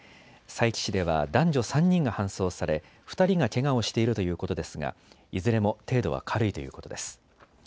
佐伯市では男女３人が搬送され２人がけがをしているということですがいずれも程度は軽いということです。